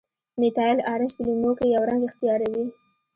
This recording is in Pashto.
میتایل ارنج په لیمو کې یو رنګ اختیاروي.